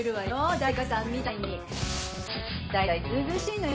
誰かさんみたいに。